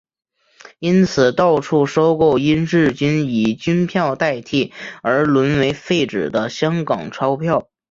因此到处收购因日军以军票代替而沦为废纸的香港钞票。